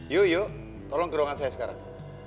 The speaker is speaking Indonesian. yuk yuk tolong ke ruangan saya sekarang